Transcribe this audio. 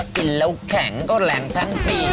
กินแล้วแข็งก็แรงทั้งปี